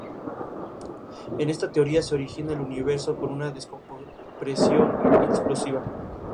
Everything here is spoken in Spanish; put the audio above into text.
Y una vez más los peas se apoyan de la tecnología Auto-Tune.